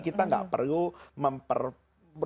kita nggak perlu memperbanyak